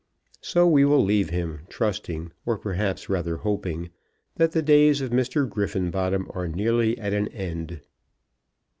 So we will leave him, trusting, or perhaps rather hoping, that the days of Mr. Griffenbottom are nearly at an end.